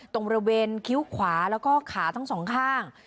ตรงบริเวณคิ้วขวาแล้วก็ขาทั้งสองข้าง